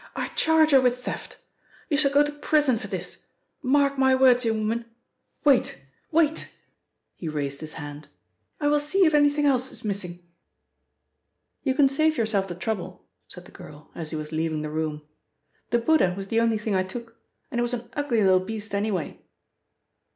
I charge her with theft. You shall go to prison for this. Mark my words, young woman. Wait wait," he raised his hand. "I will see if anything else is missing." "You can save yourself the trouble," said the girl, as he was leaving the room. "The Buddha was the only thing I took, and it was an ugly little beast anyway."